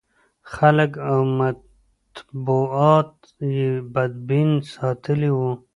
خلک او مطبوعات یې بدبین ساتلي و.